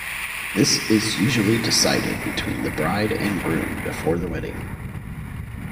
This is usually decided between the bride and groom before the wedding.